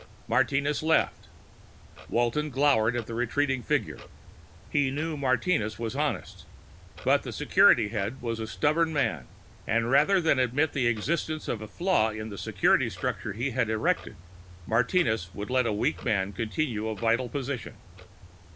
Martinez left. Walton glowered at the retreating figure. He knew Martinez was honest but the security head was a stubborn man, and rather than admit the existence of a flaw in the security structure he had erected, Martinez would let a weak man continue in a vital position.